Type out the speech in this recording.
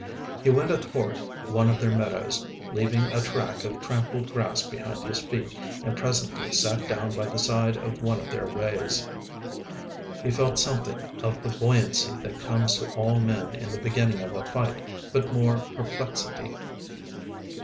He went athwart one of their meadows, leaving a track of trampled grass behind his feet, and presently sat down by the side of one of their ways. He felt something of the buoyancy that comes to all men in the beginning of a fight, but more perplexity.